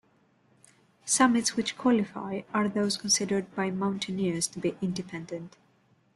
Summits which qualify are those considered by mountaineers to be independent.